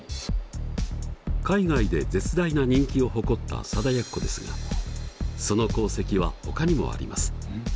海外で絶大な人気を誇った貞奴ですがその功績はほかにもあります。